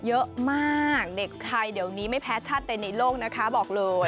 เยอะมากเด็กไทยเดี๋ยวนี้ไม่แพ้ชาติใดในโลกนะคะบอกเลย